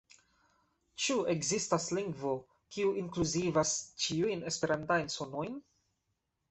Ĉu ekzistas lingvo, kiu inkluzivas ĉiujn esperantajn sonojn?